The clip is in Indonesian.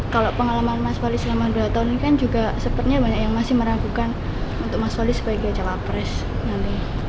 kalau pengalaman mas wali selama dua tahun ini kan juga sepertinya banyak yang masih meragukan untuk mas wali sebagai cawapres nanti